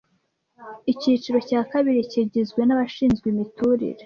Icyiciro cya kabiri kigizwe nabashizwe imiturire